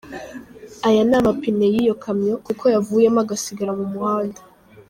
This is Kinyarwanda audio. Aya ni amapine y'iyo kamyo kuko yavuyemo agasigara mu muhanda.